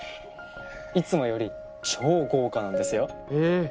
いつもより超豪華なんですよ。え。